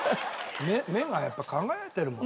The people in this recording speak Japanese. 目がやっぱ輝いてるもん。